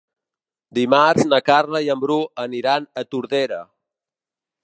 Dimarts na Carla i en Bru aniran a Tordera.